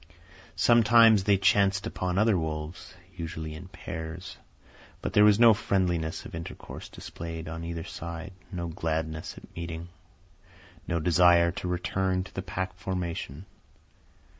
Sometimes they chanced upon other wolves, usually in pairs; but there was no friendliness of intercourse displayed on either side, no gladness at meeting, no desire to return to the pack formation.